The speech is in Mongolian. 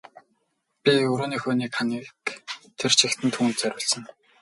Би өрөөнийхөө нэг ханыг тэр чигт нь түүнд зориулсан.